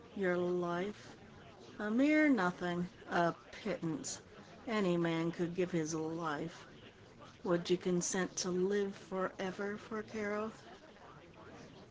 "Your life? A mere nothing. A pittance. Any man could give his life. Would you consent to live forever for Keroth?"